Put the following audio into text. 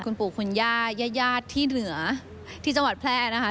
คุณปู่คุณย่าญาติญาติที่เหลือที่จังหวัดแพร่นะคะ